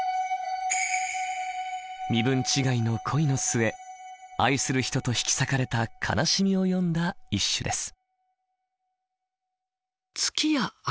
身分違いの恋の末愛する人と引き裂かれた悲しみを詠んだ一首です。